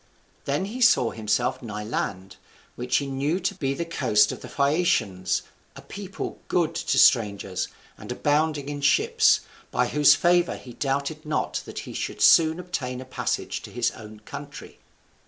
Then he saw himself nigh land, which he knew to be the coast of the Phaeacians, a people good to strangers and abounding in ships, by whose favour he doubted not that he should soon obtain a passage to his own country.